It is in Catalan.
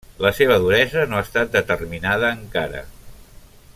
La seva duresa no ha estat determinada encara.